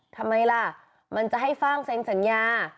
ทำไมล่ะมันจะให้ฟ่างเซ็นสัญญา